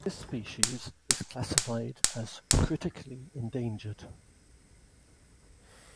This species is classified as Critically Endangered.